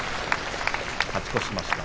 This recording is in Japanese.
勝ち越しました。